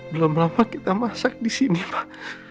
belum lama kita masak disini mah